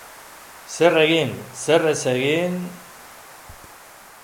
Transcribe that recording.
Zer egin, zer ez egin...?